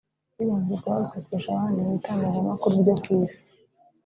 hibanzwe ku bavuzwe kurusha abandi mu itangazamakuru ryo ku isi